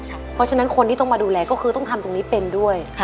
เพราะฉะนั้นคนที่ต้องมาดูแลก็คือต้องทำตรงนี้เป็นด้วย